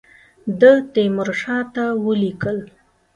ده تیمورشاه ته ولیکل.